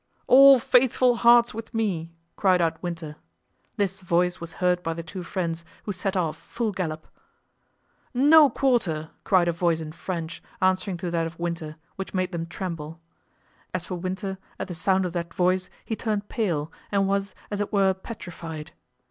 "All faithful hearts with me!" cried out Winter. This voice was heard by the two friends, who set off, full gallop. "No quarter!" cried a voice in French, answering to that of Winter, which made them tremble. As for Winter, at the sound of that voice he turned pale, and was, as it were, petrified.